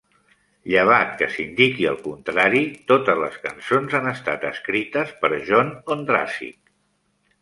Llevat que s'indiqui el contrari, totes les cançons han estat escrites per John Ondrasik.